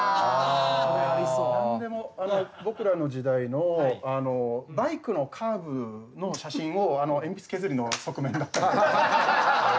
何でも僕らの時代のバイクのカーブの写真を鉛筆削りの側面だったり。